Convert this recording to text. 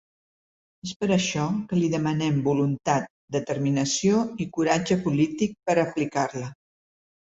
És per això que li demanem voluntat, determinació i coratge polític per aplicar-la.